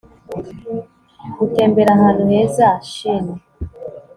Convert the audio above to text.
gutembera ahantu heza shn